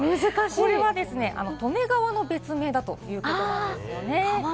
これはですね、利根川の別名だということなんですよね。